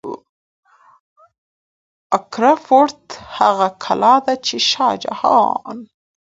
اګره فورت هغه کلا ده چې شاه جهان